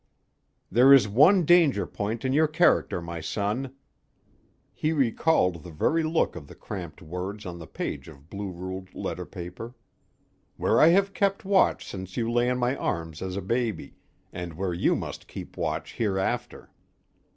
"There is one danger point in your character, my son" he recalled the very look of the cramped words on the page of blue ruled letter paper "where I have kept watch since you lay in my arms as a baby, and where you must keep watch hereafter.